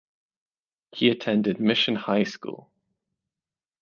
He attended Mission High School.